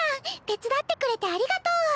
手伝ってくれてありがとう。